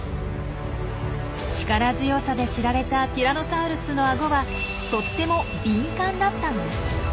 力強さで知られたティラノサウルスのアゴはとっても敏感だったんです。